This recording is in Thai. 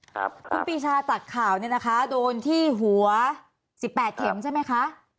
คุณปีชาจากข่าวเนี่ยนะคะโดนที่หัวสิบแปดเข็มใช่ไหมคะ